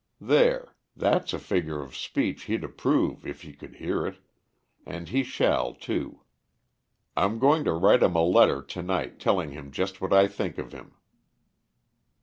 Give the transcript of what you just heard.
There; that's a figure of speech he'd approve if he could hear it, and he shall too. I'm going to write him a letter to night, telling him just what I think of him."